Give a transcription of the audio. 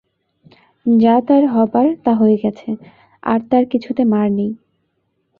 যা তার হবার তা হয়ে গেছে, আর তার কিছুতে মার নেই।